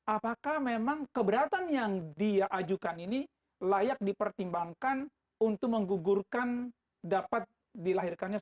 apakah memang keberatan yang dia ajukan ini layak dipertimbangkan untuk menggugurkan dapat dilahirkannya